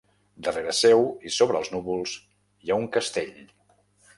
Darrere seu i sobre els núvols, hi ha un castell.